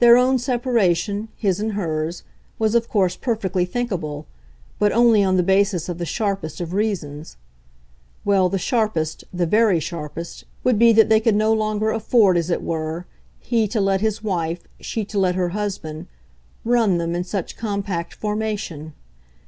Their own separation, his and hers, was of course perfectly thinkable, but only on the basis of the sharpest of reasons. Well, the sharpest, the very sharpest, would be that they could no longer afford, as it were, he to let his wife, she to let her husband, "run" them in such compact formation.